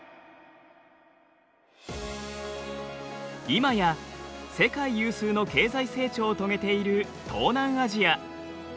今や世界有数の経済成長を遂げている東南アジア。